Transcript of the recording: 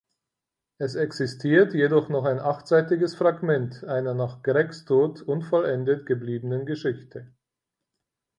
Es existiert jedoch noch ein achtseitiges Fragment einer nach Gregs Tod unvollendet gebliebenen Geschichte.